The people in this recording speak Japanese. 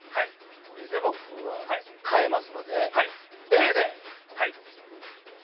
僕は変えますのでＡで。